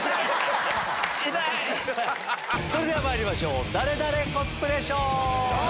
それではまいりましょう「ダレダレ？コスプレショー」。